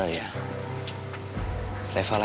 gak ada yang mau nanya